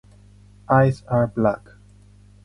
Eyes are black.